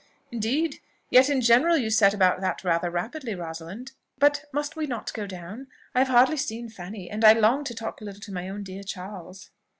"Indeed! Yet in general you set about that rather rapidly, Rosalind. But must we not go down? I have hardly seen Fanny, and I long to talk a little to my own dear Charles."